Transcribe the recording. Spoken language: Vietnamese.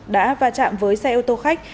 đã va chạm với xe ô tô khách